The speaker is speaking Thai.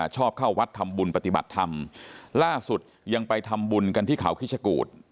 ชอบเข้าวัดทำบุญปฏิบัติธรรมล่าสุดยังไปทำบุญกันที่เขาคิชกูธ